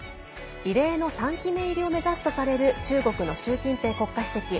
異例の３期目入りを目指すとされる中国の習近平国家主席。